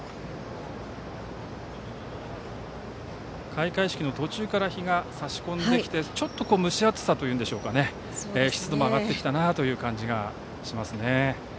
開会式の途中から日が差し込んできて蒸し暑さというんでしょうか湿度も上がってきたなという感じがします。